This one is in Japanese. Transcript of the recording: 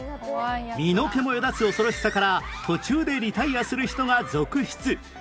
身の毛もよだつ恐ろしさから途中でリタイアする人が続出